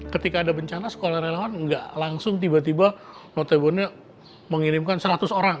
ketika ada bencana sekolah relawan nggak langsung tiba tiba notabone mengirimkan seratus orang